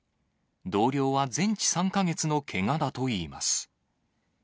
同僚は全治３か月のけがだといいます。